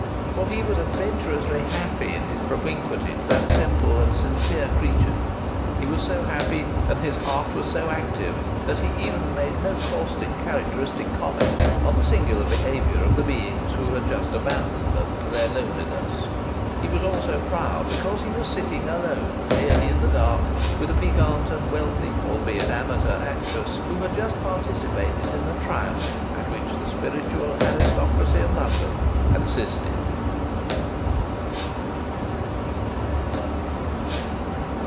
For he was adventurously happy in his propinquity to that simple and sincere creature. He was so happy, and his heart was so active, that he even made no caustic characteristic comment on the singular behaviour of the beings who had just abandoned them to their loneliness. He was also proud because he was sitting alone nearly in the dark with a piquant and wealthy, albeit amateur actress, who had just participated in a triumph at which the spiritual aristocracy of London had assisted.